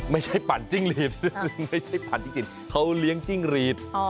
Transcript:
ไม่ใช่ผันจิ้งหลีดไม่ใช่ผันจิ้งหลีดเขาเลี้ยงจิ้งหลีด